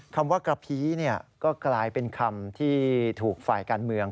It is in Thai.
คำว่ากระพีก็กลายเป็นคำที่ถูกฝ่ายการเมือง